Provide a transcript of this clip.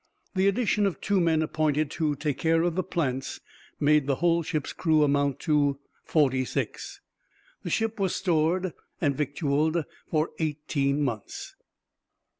The addition of two men appointed to take care of the plants, made the whole ship's crew amount to 46. The ship was stored and victualled for eighteen months.